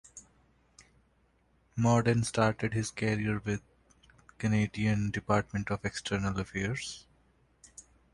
Morden started his career with the Canadian Department of External Affairs.